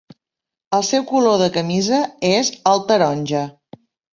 El seu color de camisa és el taronja.